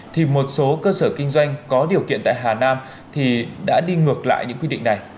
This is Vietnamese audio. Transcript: thì một số cơ sở kinh doanh có điều kiện tại hà nam thì đã đi ngược lại những quy định này